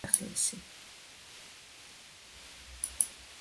მისი მამა რკინიგზელი იყო, დედა დიასახლისი.